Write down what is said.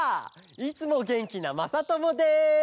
いつもげんきなまさともです！